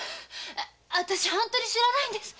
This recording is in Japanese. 私本当に知らないんです。